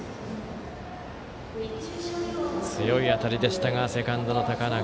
強い当たりでしたがセカンドの高中。